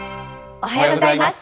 おはようございます。